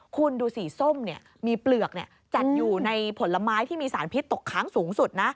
คุณดูสีส้มมีเปลือกจัดอยู่ในผลไม้ที่มีสารพิษตกค้างสูงสุดนะ